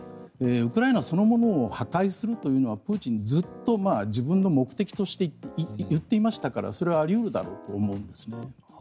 ウクライナそのものを破壊するというのはプーチンはずっと自分の目的として言っていましたからそれはあり得るだろうと思うんです。